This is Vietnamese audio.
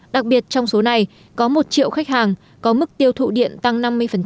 đặc biệt trong số này có một triệu khách hàng có mức tiêu thụ điện tăng năm mươi